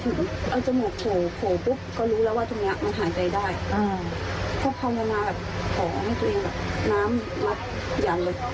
คือจะไม่มีอาจารย์